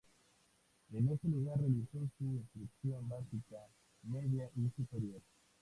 En este lugar realizó su instrucción básica, media y superior.